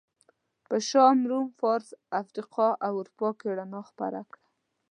په شام، روم، فارس، افریقا او اروپا کې رڼا خپره کړه.